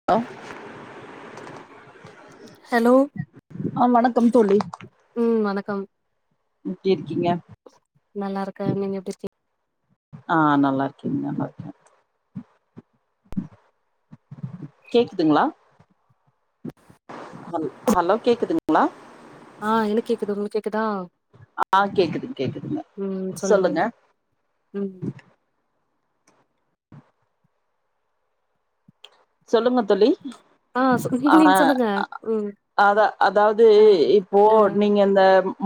[inaudible] Hello ஆ வணக்கம் தோழி ம் வணக்கம் எப்டி இருக்கீங்க? நல்லா இருக்க நீங்க எப்டி இருக் ஆ நல்லா இருக்கே நல்லா இருக்கே கேக்குதுங்ளா? ஹல் ஹலோ கேக்குதுங்ளா? ஆ எனக் கேக்குது உங்ளுக்கு கேக்குதா? ஆ கேக்குது கேக்குதுங்க சொல்லுங்க ம் சொல்லுங்க தோழி ஆ சொ நீங்க ஆ நீங்க சொல்லுங்க ம் அத அதாவுது ஆ இப்போ ஆ நீங்க இந்த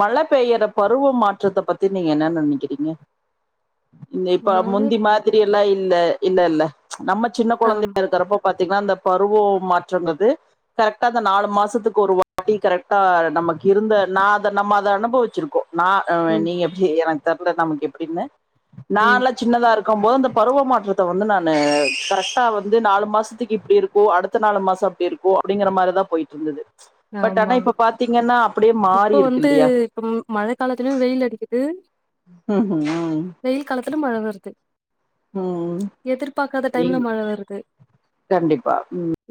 மழ பெய்யுற பருவ மாற்றத்த பத்தி நீங்க என்ன நெனைகிறீங்க இந்த இப்போ மழ முந்தி மாதிரில்லா இல்ல இல்லல்ல நம்ம சின்ன கொழந்தையா ஆமா இருக்குறப்போ பாத்தீங்கன்னா இந்த பருவோ மாற்றங்குறது கரெக்டா அந்த நாலு மாசத்துக்கு ஒரு வாட்டி கரெக்டா நமக்கு இருந்த நா அந்த நம்ம அத அனுபவிச்சிருக்கோ நா ம் நீங்க எப்படி எனக்கு தெர்ல நமக்கு எப்டினு ம் நால சின்னதா இருக்குபோது அந்த பருவ மாற்றத்த வந்து நானு கரெக்டா வந்து நாலு மாசத் இப்டி இருக்கு அடுத்த நாலு மாசோ அப்டி இருக்கு அப்டிங்கிற மாரிதா போயிட்டு இருந்துது பட் ஆனா ஆமா இப்ப பாத்தீங்கன்னா அப்டியே மாறி இருக்கு இல்லியா ம் மழ காலத்துலயு வெயில் அடிக்கிது உ வெயில் காலத்துல மழ வருது உ எதிர்பாக்காத டைம்ல மழ வருது கண்டிப்பா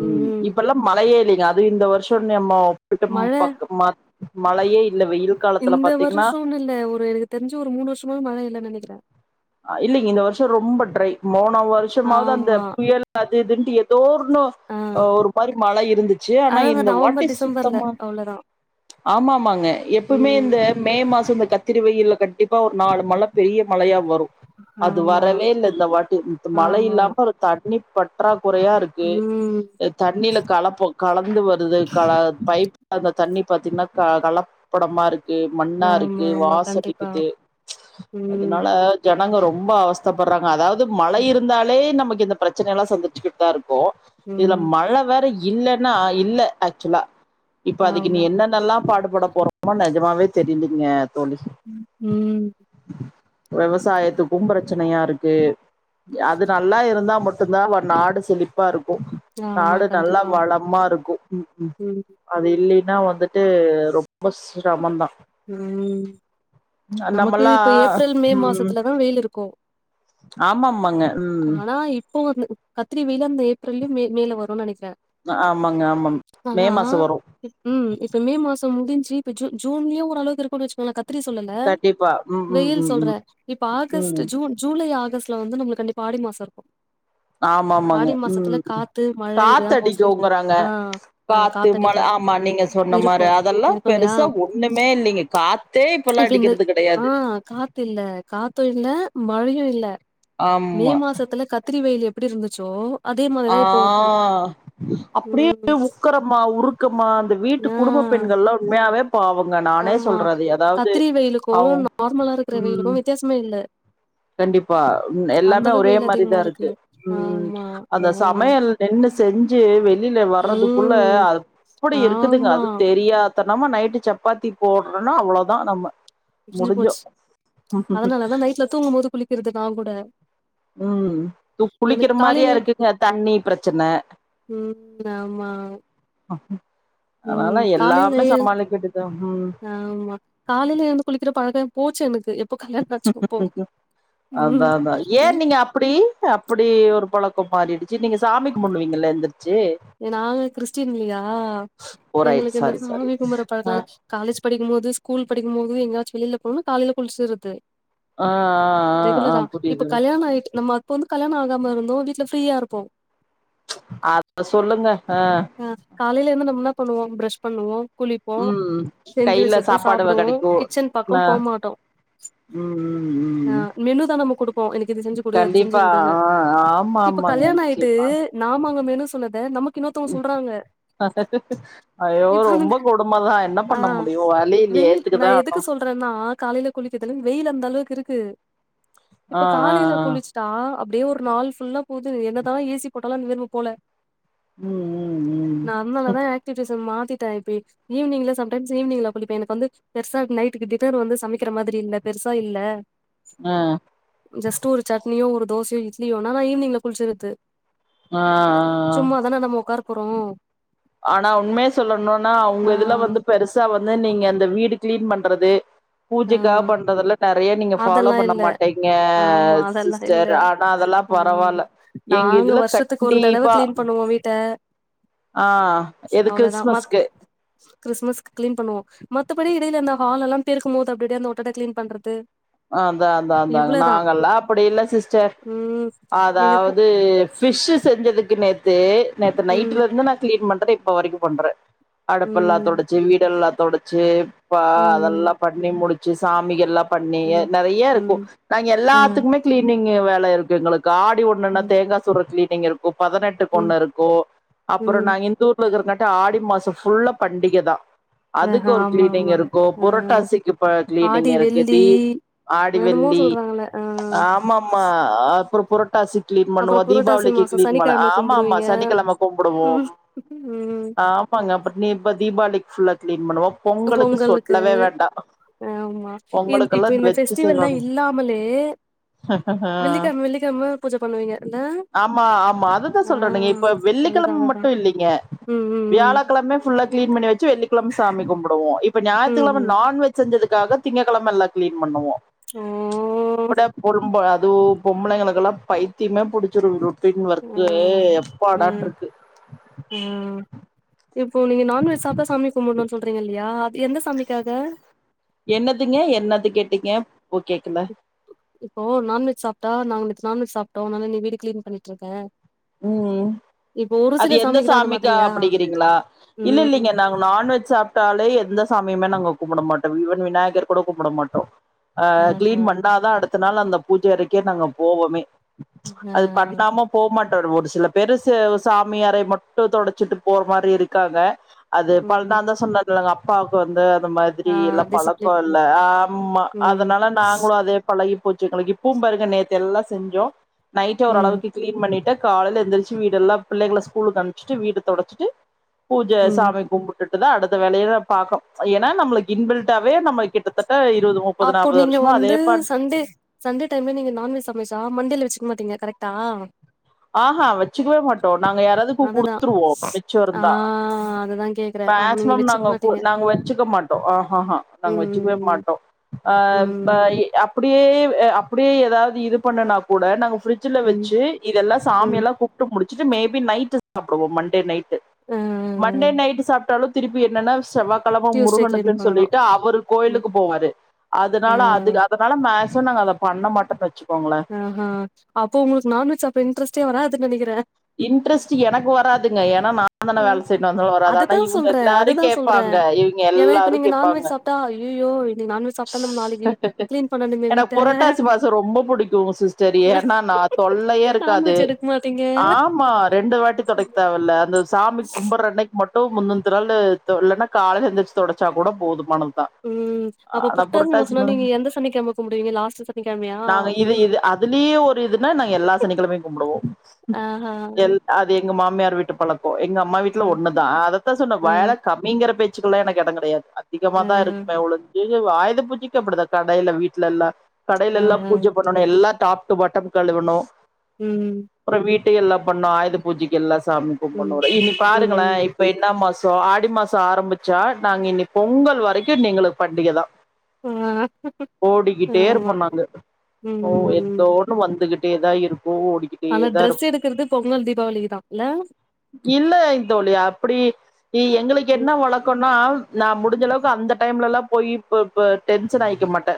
ம் இப்பெல்லா மழையே இல்லிங்க அது இந்த வருஷோ நெம்மோ வீட்டு மழ பக்கோ மழ மழையே இல்ல வெயில் காலத்துல இந்த பாத்தீங்கன்னா வருஷோனு இல்ல ஒரு எனக்கு தெரிஞ்சு ஒரு மூணு வருஷ்ஷமா மழ இல்லனு நெனைக்கிறே அ இல்லிங்க இந்த வருஷோ ரொம்ப ட்ரை மோனு வருஷமாது அந்த ஆமா புயல் அது இதுன்ட்டு ஏதோ ஒரு னோ ஆ ஒரு மாரி மழ இருந்துச்சி ஆனா அதாதா இந்த நவம்பர் வாட்டி டிசம்பர்ல சுத்தமா அவ்ளோதா ஆமாமாங்க எப்பமே ம் இந்த மே மாசோ இந்த கத்திரி வெயில்ல கண்டிப்பா ஒரு நாலு மழ பெரிய மழையா வரு அது ஆமா வரவே இல்ல இந்த வாட்டி மழ ஆமா இல்லாம ஒரு தண்ணி பற்றாக்குறையா இருக் ம் ஏ தண்ணியில கலப்பு கலந்து வருது கல பைப் அந்த தண்ணி பாத்தீங்கனா கல கலபடமா இருக்கு ஏய் மண்ணா ஆமா இருக்கு ஆமா வாசோ கண்டிப்பா அடிக்குது ப்ச் ம் அதுனால ஜனங்க ரொம்ப அவஸ்தப்படுறாங்க அதாவது மழ ம் இருந்தாலே இப்பயே நமக்கு இந்த பிரச்சன எல்லா சந்திச்சிக்கிட்டுதா இருப்போ இதுல ம், மழை வேற இல் இல்லன்னா இல்ல ஆக்சோவலா இப்ப அதுக்கு நீ ஆமா என்னனெல்லா பாடுபட போறோ ஆமா நெஜமாவே தெரியிலிங்க தோழி உ விவசாயத்துக்கு பிரச்சனையா இருக்கு அது நல்லா இருந்தா மட் டுந்தா நாடு செழிப்பா இருக்கு ஆமா நாடு நல்லா கண்டிப்பா வளமா இருக்கு ம் அது இல்லினா வந்துட்டு ரொம்ப சிரமந்தா உ நமக்கு நம்மல்லா இப்ப ஏப்ரல் மே மாசத்துலதா வெயிலு இருக்கு ஆமா மாங்க ஆனா இப்போ வந் கத்திரி வெயிலு அந்த ஏப்ரலயோ மேல வருனு நெனைக்கிற ஆமாங்க ஆமாங்க மே மாசோ வரு உ இப்போ மே மாசோ முடிஞ்சி இப்ப ஜூ ஜூன்லயு ஓரளவுக்கு இருக்குனு வச்சுக்கோங்க கத் ரி சொல்லல கண்டிப்பா ம் ம் வெயில் ம் ம் சொல்றேன் இப்ப ஆகஸ்ட் ம் ஜூன் ஜூலை ஆகஸ்ட்ல வந்து நமக்கு கண்டிப்பா ஆடி மாசோ இருக்கு ஆமாமாங்க ஆடி உ மாசத்துல காத்து மழ இதுதா காத்தடிக்கு மோஸ்ட்லி இருக்கு ங்குறாங்க ஆ ஆ காத்து காத்தடிக்கு மழ ஆமா நீங்க சொன்ன இருக்கு மாரி அதெல்லா இருக்கு இல்லையா பெருசா ஒண்ணுமே இல்லைங்க காத் தே இப்பல்லா இப்ப இந்த அடிக்கறது ஆ கடையாது காத்து இல்ல காத்து இல்ல மழையு இல்ல மே ஆமா மாசத்துல கத்திரி வெயில் எப்டி இருந்துச்சோ அதே ஆ மாரிதா இப்போ இருக்கு அப்டியே ம் உக்கரமா உருக்கமா அந்த வீட்டு ஆ குடும்ப பெண்கள்லா உண்மையாவே பாவங்க நானே ஆமா சொல்றது அதாவது கத்திரி வெயிலுக்கு அவ் நார்மலா இருக்கிற ம் வெயிலுக்கு வித்யாசமே இல்ல கண்டிப்பா அந்த எல்லாமே அளவுக்கு ஒரே வெயில் மாரி அதிகமா தா இருக்கு ம் ஆமா ஆ அந்த சமையல் ரெண்டு செஞ்சு வெளில வர்றதுக்குள்ள ம் அப்புடி இருக்குதுங்க ஆமா அது தெரியா தனமா நைட்டு சப்பாத்தி போட்றோன அவ்ளோ தா நம்ம புரிஞ்சு முடிஞ்சோ போச்சு அதனால தா நைட்ல தூங்கும் போது குளிக்கறது நா கூட ம் குளிக்கிற எனக்கு மாரியா காலையிலயு இருக்குங்க தண்ணி பிரச்சன ம் ஆமா ம் அதனால எல்லாமே காலையிலயே சமாளிக்கட்டு தாங் ம் ஆமா காலைல எழுந்து குளிக்கற பழக்கம் போச்சு எனக்கு இப்போ கல்யாணம் ஆச்சு போ அதா ம் அதா ஏ நீங்க அப்டி அப்புடி ஒரு பழக்கம் மாறிடுச்சு நீங்க சாமி கும்புடுவிங்கள எந்துருச்சு நாங்க கிறிஸ்டின் இல்லையா ஓ ரைட் எங்களுக்கு இந்த சாரி சாரி சாமி கும்பற ஆ பழக்கலாயில்ல காலேஜ் படிக்கும் போது ஸ்கூல் படிக்கும் போது எங்கயாச்சு வெளில போனு காலையில குளிச்சுறது ஆ ஆ ரெகுலரா ஆ இப்ப புரியுது கல்யாணம் ஆயிட் நம்ம அப்ப வந்து கல்யாணம் ஆகாம இருந்தோ வீட்ல ஃப்ரீயா இருப்போ அத சொல்லுங்க அ ஆ காலைல எழுந்து நம்ம என்னா பண்ணுவோ பிரஷ் பண்ணுவோ குளிப்போ ம் செஞ்சு கையில வச்சிருந்தா சாப்பாடு சாப்டுவோ கெடைக்கு கிச்சன் ந பக்கம் போ மாட்டோ ம் ம் ம் மெனு தா நம்ம குடுப்போ எனக்கு இது செஞ்சு குடு அத செஞ்சு கண்டிப்பா குடுன்னு ஆ ஆமா இப்ப ஆமாங்க கல்யாணம் ஆயிட்டு நிச்சயமா நாம அங்க மெனு சொன்னத நமக்கு இன்னொருத்தொங்க சொல்றாங்க ஐயோ இப்ப வந்து ரொம்ப கொடும தா என்ன ஆ பண்ண முடியு வழி இல்லயே வெயில் ஏத்துக்குதா எதுக்கு ஆணு நா காலையில குளிக்கறது வெயில் அந்த அளவுக்கு இருக்கு ஆ இப்ப ஆ காலையில ஆ குளிச் சா அப்டியே ஒரு நாள் ஃபுல்லா போது என்னதா ஏசி போட்டாலு நெருப்பு போல ம் ம் ம் நா அதனால தா ஆக்டிவிட்டிஸ்ஸ மாத்திட்ட இப்பே ஈவினிங்ல சம் டைம்ஸ் ஈவினிங்ல குளிப்பே எனக்கு வந்து பெருசா நைட்டுக்கு டின்னர் வந்து சமைக்கிற மாதிரி இல்ல பெருசா இல்ல ஆ ஜஸ்ட் ஒரு சட்னியோ ஒரு தோச இட்லியோ நா ஈவினிங்ல குளிச்சிறது ஆ ஆ சும்மா தான நாம உட்கார போறோ ஆனா உண்மே சொல்லணுனா உங்க ஆ இதுல வந்து பெருசா வந்து நீங்க அந்த வீடு கிளீன் பண்றது ஆ பூஜைக்காக பண்றதெல்லா நறைய நீங்க ஃபாலோ அதெல்லா பண்ண இல்ல மாட்டீங்க ஆமா அதெல்லா இல்ல சிஸ்டர் ஆனா அதல்லா ஆமா பரவால்ல எங்க நாங்க இதுல வருஷத்துக்கு ஒரு தடவ கண்டிப்பா கிளீன் பண்ணுவோ வீட்ட ஆ எது கிறிஸ்தமஸ்க்கு கிறிஸ்தமஸ்கு க்ளீன் பண்ணுவோ மத்தபடி இடையில அந்த ஹால் எல்லா பெருக்கும்போது அப்டடியே அந்த ஓட்டட கிளீன் பண்றது அதா அதா அதா இவ்ளோதா நாங்கல்லா அப்படி இல்ல சிஸ்டர் ம் நீங்க பூ அதாவது ஃபிஷ் செஞ்சதுக்கு நேத்து நேத்து ம் நைட்ல இருந்து நா கிளீன் பண்ற இப்ப வரைக்கு பண்ற அடுப்பெல்லா ம் தொடச்சி வீடெல்லா தொடச்சி பா அதெல்லா ம் பண்ணி முடிச்சு சாமிகெல்லா பண் ணி ம் நறைய இருக்கு ம் நாங்க ஆ எல்லாத்துக்குமே கிளீனிங் வேல இருக்கு எங்களுக் காடி ஒண்ணுன்னா ம் தேங்கா சுடுர கிளீனிங் இருக்கு பதினெட்டுக்கு ம் ஒண்ணு இருக்கு அப்புறோ ம் நாங்க இந்தூர் [unintelligible] காட்டியு ஆடி மாசோ புல்லா பண்டிகதா அதுக்கு ஆஹா ஒரு ஆமா கிளீனிங் ஆமா இருக்கு ஆ புரட்டாசிக்கு ப்ப கிளீனிங் ஆடி இருக்கு வெள்ளி தீப் என்னென்னமோ ஆடிவெள்ளி சொல்றாங்கள ஆ ஆமாமா அப்றோப் புரட்டாசி கிளீன் அப்புறோ பண்ணுவோ புரட்டாசி தீபாவளிக்கு மாசோ கிளீன் பண்ண சனிக்கிழம ஆமா ஆமா கும்பிடுவீங்க சனிக்கெழம கும்புடுவோம் ம் ம் ஆம் ஆமாங்க அப்பட் நீப்ப தீபாவளிக்கு புல்லா கிளீன் பண்ணுவோ பொங்களுக்கு சொல்லவே வேண்டா ஆ ஆமா இந் பொங்கலுக்கெல்லா இப்ப இந்த ஃபெஸ்டிவல்லா இல்லாமலே ஹஹ வெள்ளிக்கிழம வெள்ளிக்கிழம பூஜ பண்ணுவீங்க இல்ல ஆமா ஆமா அதுதா ஆ சொல்றனேங்க இப்பப் அதுதா வெள்ளிக்கெழம அதுதா மட்டு இல்லைங்க ம் ம் வியாழக்கிழமையு ஃபுல்லா கிளின் பண்ணி வச்சு வெள்ளிக்கிழம சாமி கும்புடுவோ இப்ப ம் ஞாயித்துகிழம ம் நான்வெஜ் செஞ்சதுக்காகத் திங்ககெழம எல்லா கிளீன் பண்ணுவோ ஓ ம்ச் படாப் பொரும்ப அதூப் பொம்பளைைங்களுக்கெல்லா பைத்தியமே புடிச்சிரு ருட்டின் ஒர்க்கு ம் ம் எப்பாடான்ட்ருக்கு ம் இப்போ நீங்க நான்வெஜ் சாப்ட்டா சாமி கும்பிடணும்னு சொல்றீங்க இல்லயாப் எந்த சாமிக்காக என்னதுங்க என்னது கேட்டிங்க ஓ கேக்குல இப்போ நான்வெஜ் சாப்ட்டா நாங்க நேத்து நான்வெஜ் சாப்ட்டோ அதனால இன்னைக்கு வீடு கிளீன் பண்ணிட்ருக்கே ம் இப்போ ஒரு அது சில எந்த சாமிக்குதா அந்த சாமிக்கா மாதிரியா? அப்படிங்கிறீங்களா இல்ல ம் இல்லலைங்க நாங் ஓ நான்வெஜ் சாப்ட்டாலே எந்த சாமியுமே நாங்க கும்புடமாட்டோ இவன் விநாயகர் கூட கும்புடமாட்டோ அ ஆஹா கிளீன் பண்ணாதா அடுத்த நாள் அந்த பூஜை அறைக்கே நாங்க போவோமே ம்ச் ஆ அது பண்ணாம போமாட் ட்டர் ஒரு சில பேரு செ சாமி அறை மட்டு தொடச்சிட்டு போற மாரி இருக்காங்க அது பல் நா ம் தா சொன்னதுல்லங்க அப்பாவுக்கு வந்து அது மார் திரி ஆ எல்லா பழக்கோ டிசிப்ளின் இல்ல ம் ஆமா ம் அதனால நாங்களு அதேப் பழகி போச்சு எங்களுக்கு இப்பவு பாருங்க நேத்து எல்லா செஞ்சோ நைட் ம் ஓரளவுக்கு கிளீன் பண்ணிட்ட காலைல எழுந்திரிச்சு வீடெல்லா பிள்ளைங்கள ஸ்கூலுக்கு அனுச்சிட்டு வீடு தொடச்சிட்டு பூஜ ம் சாமி கும்புட் டுட்டுதா தா அடுத்த வேலையதா பாக்கு ம்ச் ஏனா நம்மளுக்கு இன்பில்டவே நம்ம கிட்டத் தட்ட இருபது முப்பது அப்போ நாப்பது நீங்க வருஷமா அதே பாட் வந்து சண்டே டைம்ல நீங்க நான்வெஜ் சமைச்சா மண்டேல வச்சுக்க மாட்டீங்க கரெக்டா ஆ ஹா வச்சுக்கவே மாட்டோ நாங்க யாராதுக்கு அதுதா குடுத்துருவோ மிச்சோ இருந்தா ஆ அதுதா கேக்குறே ஆமா நீங்க மேக்சிமம் வச்சுக்க நாங்க கு மாட்டீங்க நாங்க வச்சுக்க மாட்டோ ஆ ஆஹா ம் நாங்க வச்சுக்கவே ம் மாட்டோ அ ம் ப எ அப்படியே எ [unintelligible] அப்படியே ஏதாவது இது பண்ணுனா கூட நாங்க ஃபிரிட் ஜ்ஜுல ம் வச்சு இதெல்லா சாமி ம் எல்லா கூப்ட்டு முடிச்சிட்டு மேபி நைட்டு சாப்பிடுவோ மண்டே நைட்டு ஆ மண்டே நைட்டு சாப்ட்டாலு திருப்பி என்னன்னா செவ்வாக் கழம டியூஸ்டே கிளீன் முருகனுக்குன்னு பண்ணனு சொல்லிட்டு அவர் ம் கோயிலுக்கு போவாரு ஆ அதனால அது ஆத் அதனால மேக்ஸிமம் நாங்க அத பண்ண மாட்டேன்னு வச்சுக்கோங்கள ஆஹ அப்ப உங்களுக்கு நான்வெஜ் சாப்புற இன்டரஸ்டே வராது நெனைக்கிறே இன்ட்ரெஸ்ட்டூ எனக்கு வராதுங்க ஏன்னா நா நா தான வேல செய்யணு வந்தது வராத ஆனா அதுதா இவங்க சொல்றே எல்லாரு அதுதா சொல்றே கேப்பாங்க இவங்க ஏன்னா இப்ப எல்லாரு நீங்க கேப்பாங்க நான்வெஜ் சாப்ட்டா ஐயையோ இன்னைக்கு நான்வெஜ் சாப்ட்டா நம்ம நாளைக்கு கிளீன் பண்ணணுமே எனக்கு வீட்ட புரட்டாசு பாசோ ரொம்ப பிடிக்குங் சிஸ் செரி ஏன்னா நா தொல்லையே இருக்காது நான்வெஜ் எடுக்க மாட்டீங்க ஆமா ரெண்டு வாட்டி தொடைக் தேவல்ல அந்த சாமி கும்பரன்னைக் மட்டும் முன்ன திநாள் தொழு இல்லன்னா கால்ல எந்திரிச்சு தொடச்சா கூட போதுமானதுதா ம் அப்ப ஆனா புரட்டாசி மாசம்லா மா நீங்க எந்த சனிக்கிழம கும்புடுவிங்க லாஸ்ட் சனிக்கிழமயா அதுலயு ஒரு இதுனா நா எல்லா சனிக்கிழமயு கும்புடுவோ ஆ ஹ அது எங்க மாமியார் வீட்டு பழக்க எங்க அம்மா வீட்டுல ஆ ஒண்ணுதா அதத்தா சொன்ன ஆ வேல கம் மீங்கிற பேச்சுக்கலா எனக்கு எடம் கெடையாது அதிகமா ஆ தா இருக்குமே ஒழிஞ்சி தியோ ஆயுத பூஜிக்கப்படிதா கடயில வீட்லல்லா கடயில ஆ எல்லா ஆ பூஜ பண் னுன்னு எல்லா டாப் டு பாட்டம் கழுவணு ம் அப்றொ வீட்டயு எல்லா பண்ணும் ஆயுத பூஜைக்கு எல்லா சாமிக்கு பண்ணு ம் இனி பாருங்களே ம் இப்ப என்ன மாச ஆடி மாச ஆரம்பிச்சா நாங்க இனி பொங்கல் வரைக்கு எங்களுக்கு பண்டிகதா ஆ ஆமா ஓடிக்கிட்டேருப்போணாங்க ஓ ம் ம் தோ னு வந்துகிட்டேதா இருக்கு ஓடிக் ஆனா ட்ரெஸ் எடுக்கறது பொங்கல் தீபாவளிக்கு தா இல்ல இல்லைங் தோழி அப்டி ஏய் எங்களுக்கு ம் என்ன வழக்கம்னா நா முடிஞ்ச அளவுக்கு அந்த டைம்லல்லா போயி ப டென்ஷன் ஆயிக்க மாட்டே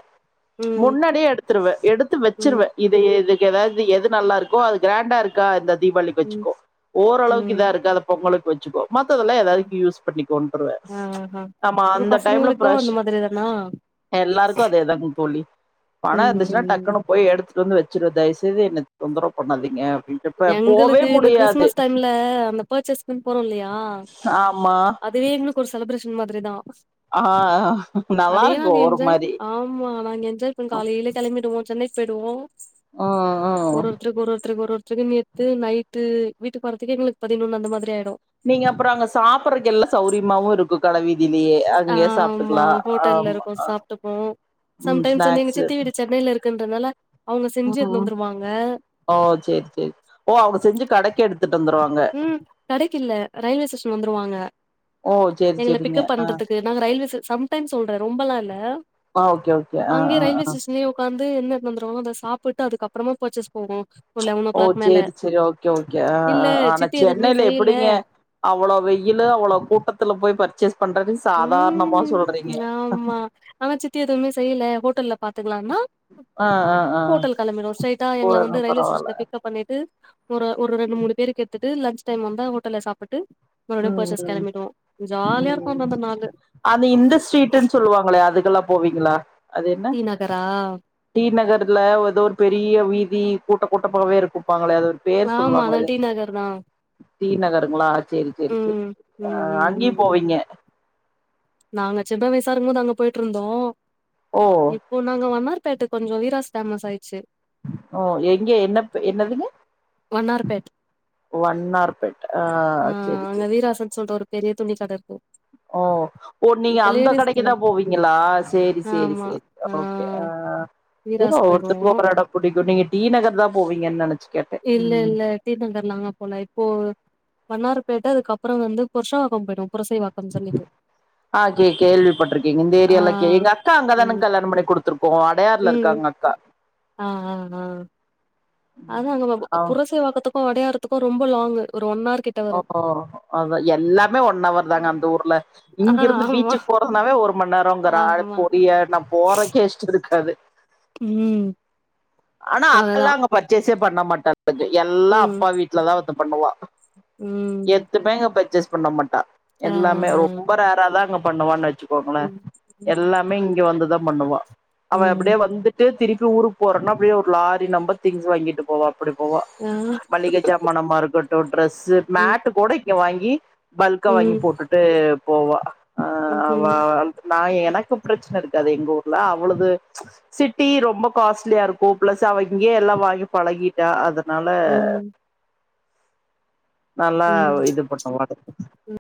ம் முன்னாடியே எடுத்துருவே எடுத்து ம் வச்சிருவே இது எது எதாது எது நல்லா இருக் கு அது க்ராண்டா இருக்கா இந்தா தீபாவளிக்கு ம் வச்சுக்கோ ஓரளவுக்கு ம் இதா இருக்கா அத பொங்கலுக்கு வச்சுக்கோ மத்ததெல்லா ம் எதாதுக்கு யூஸ் பண்ணிக்கோன்ருவே ஆஹா நம்ம இப்ப அந்த டைம்ல பசங்களுக்கு பிரஸ்ச அந்த மாதிரி தானா எல்லாருக்கு அதேதா தோழி பண ம் ம் இருந்துச்சுன்னா ம் டக்குனு போய் எடுத்துட்டு வந்து வச்சுற தயவு செய்து என்ன தொந்தரவு பண்ணாதீங்க அப்டின்னு எங்களுக்கு இந்த கிறிஸ்மஸ் டைம்ல அந்த பர்ச்சேஸ்குன் போறோ இல்லயா ஆமா. அதுவே எங்களுக்கு ஒரு செலிப்ரேஷன் மாதிரி தா ஆ அதே நாங்க நல்லாருக்கும் ஒரு என்ஜாய் மாரி. ஆமா நாங்க என்ஜாய் காலையிலே கெளம்பிடுவோ சென்னைக்கு போயிடுவோ ஓ ஒரு ஒருத்தருக்கு ஒரு ஒருத்தருக்கு ஒரு ஒருத்தருக்கு நேத்து நைட்டு வீட்டுக்கு போறதுக்கே எங்களுக்கு பதினொன்னு அந்த மாரி ஆயிடு நீங்க அப்றொ அங்க சாப்பறக்கு எல்லா சௌரியமாவு இருக்கு கடவீதிலயே அங்கயே ஆமா சாப்டுக்கலா ஹோட்டல்ல ஆம்மா இருக்கோ ஆ சாப்ட்டுப்போ ம் ஸ்நாக்ஸு இருக்கின்றதுநால்ல அவங்க செஞ்சு எடுத்து ம் வந்துருவாங்க ஓ சேரி சேரி ஓ அவங்க செஞ்சு கடைக்கு எடுத்துட்டு வந்துருவாங் ம் கடைக்குல்ல ரயில்வே ஸ்டேஷன் வந்துருவாங்க ஓ சேரி எங்கள சேரிங்க பிக்கப் ஆ பண்றதுக்கு நாங்க ரயில்வே ஸ்ஸ் சம் டைம் சொல்றே ரொம்பலா இல்ல ஆ ஓகே ஓகே ஆ அங்கே ஆ ரயில்வே ஆ ஸ்டேஷன் லயே ஒக்காந்து என்ன எடுத்து வந்துருவா அத சாப்பிட்டு அதுக்கப்புறமா பர்ச்சேஸ் போவோ ஒரு லெவன் ஓ கிளாக் மேல சேரி சேரி ஓகே ஓகே ஆ இல்ல ஆ ஆனா சித்தி எதுவுமே சென்னையில செய்யல எப்படிங்க அவ்ளோ வெயிலு அவ்வளோ கூட்டத்துல போய் பர்ச்சேஸ் பண்றது சாதாரணமா ம் சொல்றீங்க ஆமா ஆனா சித்தி எதுவுமே செய்யல ஹோட்டல்ல பாத்துக்கலானா ஆ ஆ ஆ ஹோட்டல் கெளம்பிடுவோ ஸ்ட்ரைட்டா எங்கள போறதுனா வந்து ரயில்வே பரவால்ல ஸ்டேஷன்ல பிக்கப் பண்ணிட்டு ஒரு ஒரு ரெண்டு மூணு பேருக்கு எடுத்துட்டு லன்ச் டைம் வந்தா ஹோட்டல்ல சாப்பிட்டுட்டு மறுபடியு ம் பர்ச்சேஸ் ம் கெளம்பிடுவோ ஜாலியா இருக்கு ம் அந்த அந்த நாளு அது இந்த ஸ்ட்ரீட்டுன் சொல்லுவாங்களே அதுக்கெல்லா போவீங்களா அது என்ன டீ நகரா டீ நகர்ல ஏதோ ஒரு பெரிய வீதி கூட்ட கூட்டமாவே இருக்கும்பாங்களே அது பேர் ஆமா அதா சொல்லுவாங்லது டி நகர் தா டி நகருங்ளா சேரி சேர் சேரி ம் ஆ ம் ம் அங்கியு ம் போவீங்க நாங்க சின்ன வயசா இருக்கும் போது அங்க போய்ட்ருந்தோ ஓ ஓ நாங்க வண்ணார் பேட்ட கொஞ்சோ வீராஸ் ஃபேமஸ் ஆயிர்ச்சு ஓ எங்கே என்னப் என்னதுங்க வண்ணார் பேட் ஓ வண்ணார் பேட்ட ஆ செரி செரி செர் ரசோ [unintelligible] டோரு பெரிய துணி கட இருக்கு ஓ ஓ நீ இப்ப அந்த கடைக்கு லேடிஸ்க்கெல்லா தா போவீங்களா சேரி சேரி ஆமா சேரி ஆ ஓகே ஆ செரி வீராஸ் ஒவ்வொர்த்தர்க்கு போயிடுவோ ஒவ்வொரு எடோ புடிக்கு நீங்க டி நகர் தா போவீங்கன் நெனச்சு கேட்டே இல்ல ம் இல்ல டி நகர் நாங்க போல இப்போ வண்ணார பேட்ட அதுக்கப்றோ வந்து புர்ஷவாக்கோ போய்டுவோ புரசை வாக் ஆ கே கேள்விப்பட்ருக்கேங்க இந்த ஆ ஏரியால்லா கே எங்க அக்கா அங்க ம் தானங் கல்யாணம் பண்ணி குடுத் துருக்கோ அடையார்ல இருக்கா எங் அக்கா ம் ம் ம் அதா ம் அங்க பாப்போ அ அவ புரசை வாக்கத்துக்கு அடையாறத்துக்கு ரொம்ப லாங்கு ஒரு ஒன் ஆர் கிட் ஓ ஓ அதா எல்லாமே ஒன் அவர் தாங்க அந்த ஊர்ல ஆ இங்கிருந்து ஆமா பீச்சுக் போறதுனாவே ஒரு மண் நேரோங்கறா ஆமா பொடிய நா போறக்கே இஷ்டோ இருக்காது ம் ஆனா அதுதா அக்கல்லா அங்க பர்ச்சேஸே பண்ண மாட்டாங்குது எல்லா ம் அப்பா வீட்ல தா வந்து பண்ணுவா ம் எத்துமே அங்க பர்ச்சேஸ் பண்ண மாட்டா ஆ எல்லாமே ஆ ரொம்ப ரேரா தான்ங்க பண்ணுவானு வெச்சுக்கோங்ளே ம் ம் எல்லாமே இங்க வந்து தா பண்ணுவா அவ ம் அப்டியே வந்து ட்டு திருப்பி ஊருக் போறன்னா அப்டியே ஒரு லாரி நெம்ப திங்ஸ் வாங்கிட்டு போவா அப்டி போவா ஆ மள்ளிக ஜாமானமா இருக்கட்டு ட்ரஸ்ஸு ம் மேட்டு கூட இங்க வாங்கி பல்கா வாங்கி ம் போட்டுட் டு போவா அ அவ ம் வ நா எனக்கு பிரச்சன இருக்காது எங்க ஊர்ல அவளது சிட்டி ரொம்ப காஸ்ட்லியா இருக் கு பிளஸ் அவ இங்கியே எல்லா வாங்கி பழகிட்டா அதுனால ம் நல்லா ம் இது பண்ணுவா